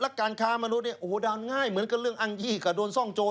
และการคารมนุษย์โดนง่ายเหมือนกับเรื่องอังยีกะโดนซ่องโจร